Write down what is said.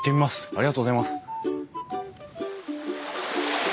ありがとうございます。